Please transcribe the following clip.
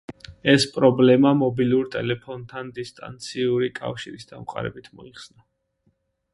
ეს პრობლემა მობილურ ტელეფონთან დისტანციური კავშირის დამყარებით მოიხსნა.